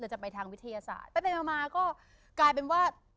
จะไปทางวิทยาศาสตร์ไปไปมาก็กลายเป็นว่า